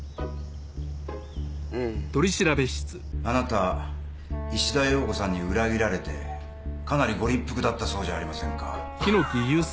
あなた石田洋子さんに裏切られてかなりご立腹だったそうじゃありませんか？